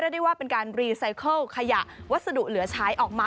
ได้ว่าเป็นการรีไซเคิลขยะวัสดุเหลือใช้ออกมา